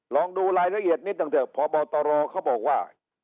ลองดูรายละเอียดนิดหนึ่งเถอะพบตรเขาบอกว่า